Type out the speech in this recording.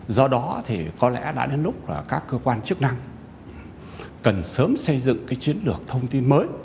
do đó có lẽ đã đến lúc các cơ quan chức năng cần sớm xây dựng chiến lược thông tin mới